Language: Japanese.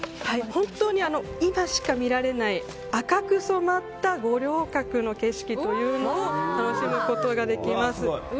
本当に今しか見られない赤く染まった五稜郭の景色というのを楽しむことができます。